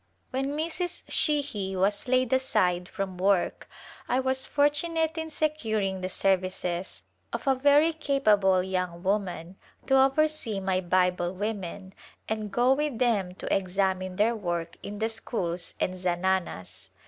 When Mrs. Sheahy was laid aside from work I was fortunate in securing the services of a very capable young woman to oversee my Bible women and go with them to examine their work in the schools and zananas.